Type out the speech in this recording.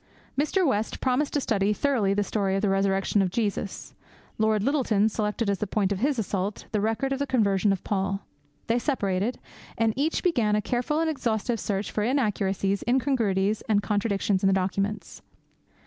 Mr. West promised to study thoroughly the story of the Resurrection of Jesus. Lord Lyttelton selected as the point of his assault the record of the conversion of Paul. They separated; and each began a careful and exhaustive search for inaccuracies, incongruities, and contradictions in the documents.